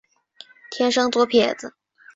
天生左撇子。